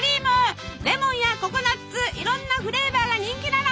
レモンやココナツいろんなフレーバーが人気なの。